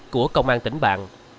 của công an tỉnh bạn